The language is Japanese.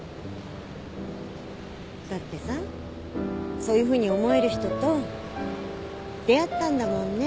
だってさそういうふうに思える人と出会ったんだもんね？